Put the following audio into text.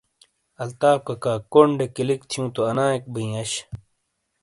الطاف ککا "کونڈ دے" کلِک تھیوں تو انائیک بیں آش